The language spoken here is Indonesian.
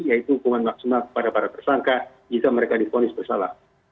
yaitu hukuman maksimal kepada para tersangka jika mereka difonis bersalah